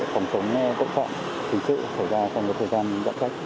phòng chống tội phạm chính sự sẽ xảy ra trong thời gian gặp cách